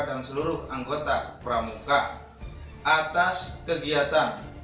dan seluruh anggota pramuka atas kegiatan